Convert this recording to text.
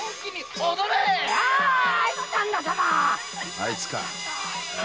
あいつか？